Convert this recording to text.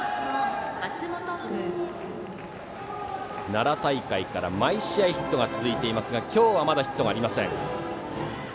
奈良大会から毎試合ヒットが続いていますが今日は、まだヒットがありません。